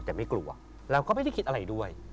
แต่ไม่กลัวแล้วก็ไม่ได้คิดอะไรด้วย